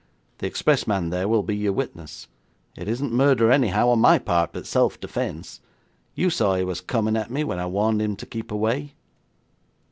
The expressman there will be your witness. It isn't murder anyhow on my part, but self defence. You saw he was coming at me when I warned him to keep away."